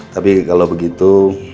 tapi kalau begitu